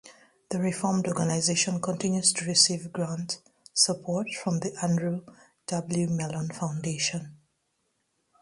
The reformed organization continues to receive grant support from The Andrew W. Mellon Foundation.